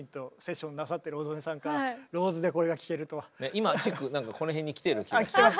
今チックこの辺に来てる気がします。